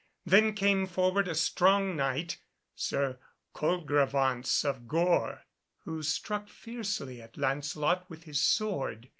Then came forward a strong Knight, Sir Colegrevance of Gore, who struck fiercely at Lancelot with his sword.